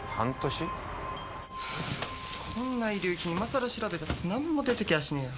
こんな遺留品今さら調べたって何も出てきゃしないよ！